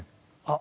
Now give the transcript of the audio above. あ。